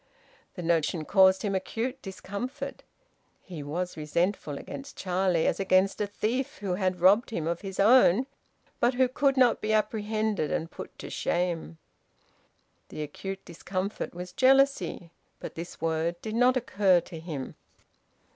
The notion caused him acute discomfort. He was resentful against Charlie as against a thief who had robbed him of his own, but who could not be apprehended and put to shame. The acute discomfort was jealousy; but this word did not occur to him.